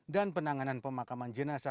dan penanganan pemakaman jenasa